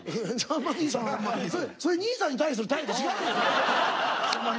それ兄さんに対する態度と違うよ。